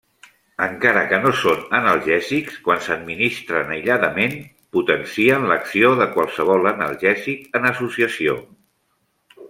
Encara que no són analgèsics quan s'administren aïlladament, potencien l'acció de qualsevol analgèsic en associació.